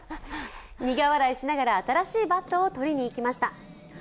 苦笑いしながら新しいバットを取りにいきました。